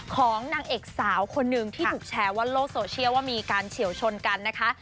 ของนางเอกสาวคนหนึ่งที่ถูกแชร์ว่าโลกโซเชียลว่ามีการเฉียวชนกันนะคะ